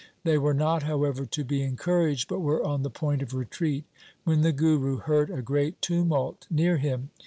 They were not, however, to be encouraged, but were on the point of retreat when the Guru heard a great tumult near him.